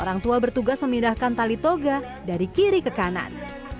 orang tua bertugas memindahkan tali toga dari kiri ke kanan